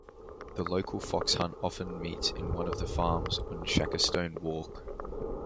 The local fox hunt often meets in one of the farms on Shackerstone Walk.